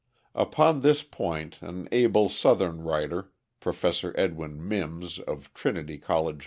Upon this point an able Southern writer, Professor Edwin Mims of Trinity College, N.